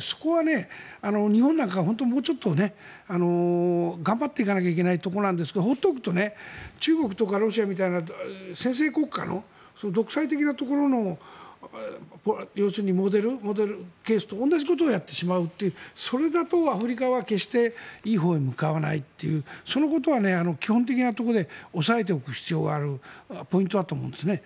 そこは日本なんかももうちょっと頑張っていかなきゃいけないところなんですが放っておくと中国とかロシアみたいな専制国家の、独裁的なところの要するにモデルケースと同じことをやってしまうとそれだとアフリカは決していいほうへ向かわないというそのことは基本的なところで押さえておく必要があるポイントだと思うんですね。